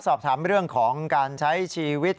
สอบถามเรื่องของการใช้ชีวิต